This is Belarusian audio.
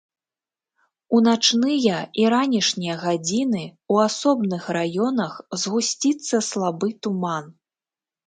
У начныя і ранішнія гадзіны ў асобных раёнах згусціцца слабы туман.